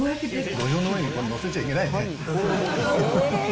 土俵の上に載せちゃいけないね。